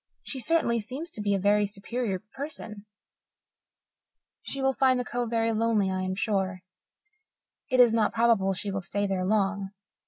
She certainly seems to be a very superior person; she will find the Cove very lonely, I am sure. It is not probable she will stay there long.